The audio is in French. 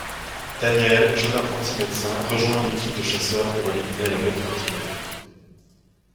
Daniel, jeune apprenti médecin, rejoint une équipe de chasseurs pour éliminer la bête meurtrière.